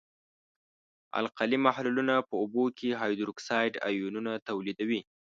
القلي محلولونه په اوبو کې هایدروکساید آیونونه تولیدوي.